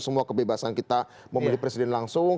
semua kebebasan kita memilih presiden langsung